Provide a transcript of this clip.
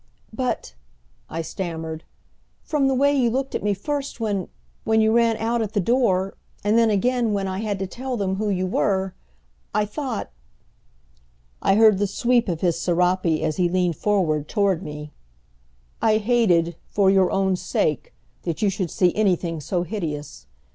"But," I stammered, "from the way you looked at me first when when you ran out at the door, and then again when, I had to tell them who you were! I thought " I heard the sweep of his serape as he leaned forward toward me. "I hated, for your own sake, that you should see anything so hideous.